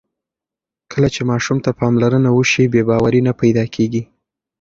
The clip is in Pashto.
کله چې ماشوم ته پاملرنه وشي، بې باوري نه پیدا کېږي.